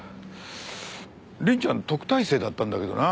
凛ちゃん特待生だったんだけどな。